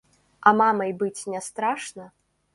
А мамай быць не страшна?